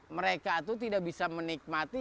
mereka itu tidak bisa menikmati